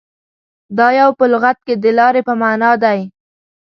• دایو په لغت کې د لارې په معنیٰ دی.